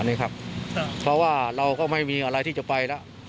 อันนี้ครับเพราะว่าเราก็ไม่มีอะไรที่จะไปแล้ว